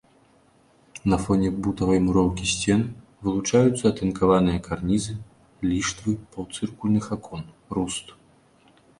На фоне бутавай муроўкі сцен вылучаюцца атынкаваныя карнізы, ліштвы паўцыркульных акон, руст.